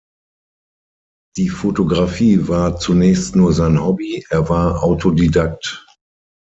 Die Fotografie war zunächst nur sein Hobby, er war Autodidakt.